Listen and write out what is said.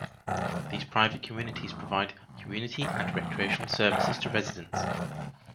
These private communities provide community and recreational services to residents.